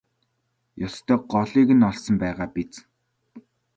Ёстой голыг нь олсон байгаа биз?